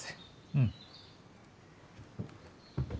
うん。